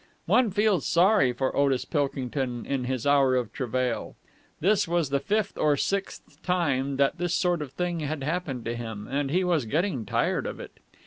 One feels sorry for Otis Pilkington in his hour of travail. This was the fifth or sixth time that this sort of thing had happened to him, and he was getting tired of it.